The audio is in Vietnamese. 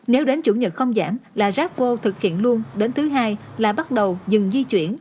nếu đến chủ nhật không giảm là rác vô thực hiện luôn đến thứ hai là bắt đầu dừng di chuyển